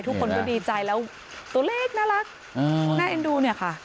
ทุกคนก็ดีใจแล้วตัวเล็กน่ารักน่าเอ็นดูเนี่ยค่ะ